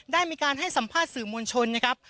ได้มีการให้สัมภาษณ์สื่อมวลชนนะครับ